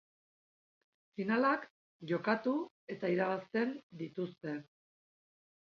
Finalak jokatu eta irabazten dituzte.